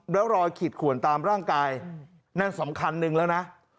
แล้วรอยขีดขวนตามร่างกายนั่นสำคัญหนึ่งแล้วนะ